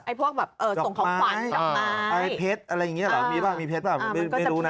ส่งของขวัญจากไม้อะไรเพชรอะไรอย่างนี้หรือเปล่ามีเพชรหรือเปล่าไม่รู้นะ